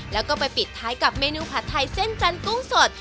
แล้วก็ไปปิดท้ายกับเมนูผัดไทยเส้นจันกุ้งสด